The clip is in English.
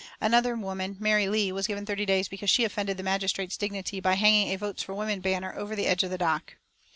Another woman, Mary Leigh, was given thirty days because she offended the magistrate's dignity by hanging a "Votes for Women" banner over the edge of the dock.